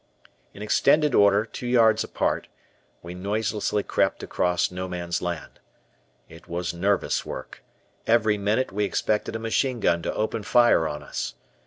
} In extended order, two yards apart, we noiselessly crept across No Man's Land. It was nervous work; every minute we expected a machine gun to open fire on us.